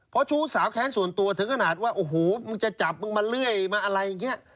เพราะชู้สาวแค้นส่วนตัวถึงขนาดว่าโอ้โหมึงจะจับมึงมาเรื่อยมาอะไรอย่างนี้